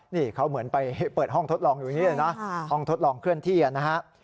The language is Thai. นี่เขาเหมือนไปเปิดห้องทดลองอยู่อย่างนี้เลยนะห้องทดลองเคลื่อนที่นะฮะ